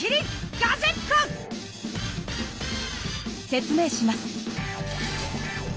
説明します。